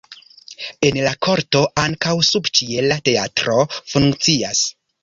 En la korto ankaŭ subĉiela teatro funkcias.